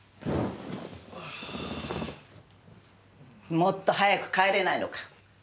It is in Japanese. もっと早く帰れないのか？